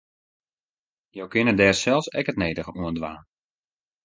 Jo kinne dêr sels ek it nedige oan dwaan.